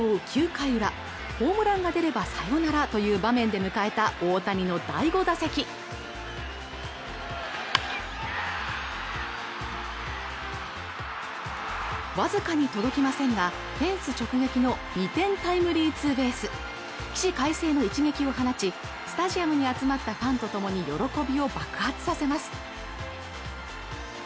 ９回裏ホームランが出ればサヨナラという場面で迎えた大谷の第５打席わずかに届きませんがフェンス直撃の２点タイムリーツーベース起死回生の一撃を放ちスタジアムに集まったファンと共に喜びを爆発させます